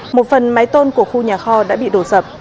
một phần mái tôn của khu nhà kho đã bị đổ sập